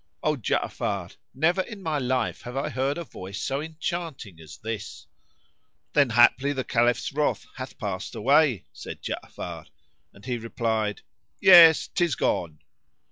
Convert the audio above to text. O Ja'afar, never in my life have I heard a voice so enchanting as this." "Then haply the Caliph's wrath hath passed away," said Ja'afar, and he replied, "Yes, 'tis gone."